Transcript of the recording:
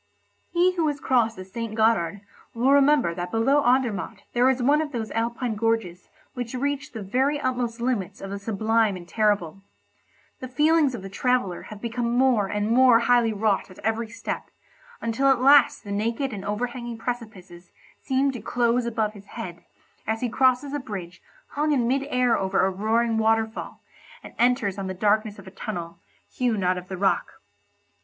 He who has crossed the St. Gothard will remember that below Andermatt there is one of those Alpine gorges which reach the very utmost limits of the sublime and terrible. The feelings of the traveller have become more and more highly wrought at every step, until at last the naked and overhanging precipices seem to close above his head, as he crosses a bridge hung in mid air over a roaring waterfall, and enters on the darkness of a tunnel, hewn out of the rock.